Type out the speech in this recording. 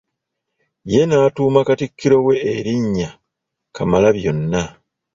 Ye n'atuuma Katikkiro we erinnya Kamalabyonna.